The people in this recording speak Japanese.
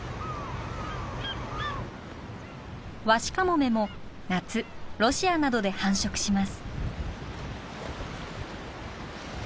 ワシカモメも夏ロシアなどで繁殖します。